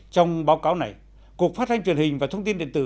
trong báo cáo này cục phát thanh truyền hình và thông tin điện tử